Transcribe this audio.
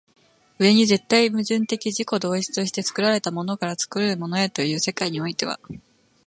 上に絶対矛盾的自己同一として作られたものから作るものへという世界においては